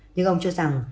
nhưng ông cho rằng